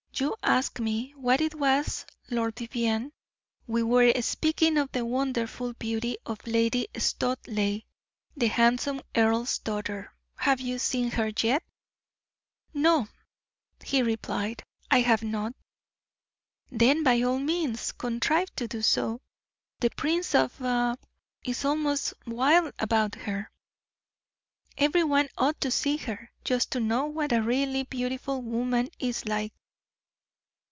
"You asked me what it was, Lord Vivianne. We were speaking of the wonderful beauty of Lady Studleigh, the handsome earl's daughter. Have you seen her yet?" "No," he replied, "I have not." "Then, by all means, contrive to do so. The Prince of B is almost wild about her. Every one ought to see her, just to know what a really beautiful woman is like."